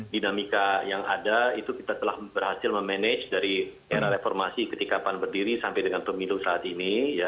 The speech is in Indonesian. dinamika yang ada itu kita telah berhasil memanage dari era reformasi ketika pan berdiri sampai dengan pemilu saat ini